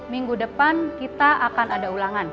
minggu depan kita akan ada ulangan